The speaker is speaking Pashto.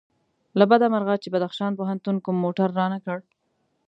له بده مرغه چې بدخشان پوهنتون کوم موټر رانه کړ.